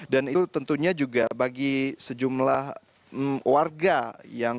dan itu tentunya juga bagi sejumlah warga yang sudah berusia lancar